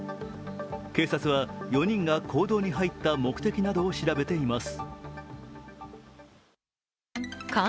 警察は４人が坑道に入った目的などを調べています。